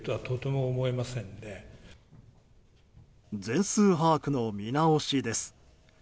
全数把握の見直しです。